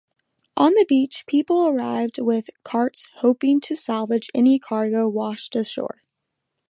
On the beach, people arrived with carts hoping to salvage any cargo washed ashore.